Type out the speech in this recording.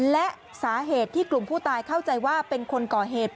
และสาเหตุที่กลุ่มผู้ตายเข้าใจว่าเป็นคนก่อเหตุ